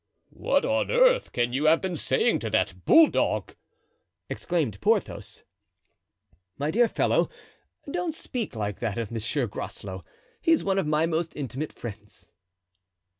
"What on earth can you have been saying to that bulldog?" exclaimed Porthos. "My dear fellow, don't speak like that of Monsieur Groslow. He's one of my most intimate friends."